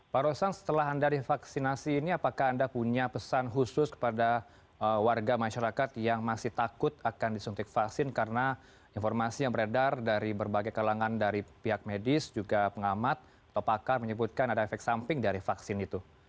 pak rosan setelah anda divaksinasi ini apakah anda punya pesan khusus kepada warga masyarakat yang masih takut akan disuntik vaksin karena informasi yang beredar dari berbagai kalangan dari pihak medis juga pengamat atau pakar menyebutkan ada efek samping dari vaksin itu